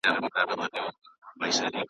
د شګو بند اوبه وړي .